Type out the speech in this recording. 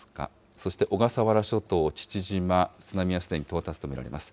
そして小笠原諸島父島、津波はすでに到達と見られます。